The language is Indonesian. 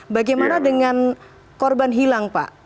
bagaimana dengan korban hilang pak